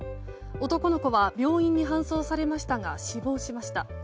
男の子は病院に搬送されましたが死亡しました。